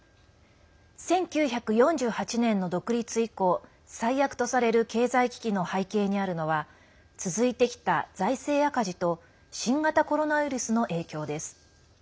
１９４８年の独立以降最悪とされる経済危機の背景にあるのは続いてきた財政赤字と新型コロナウイルスの影響です。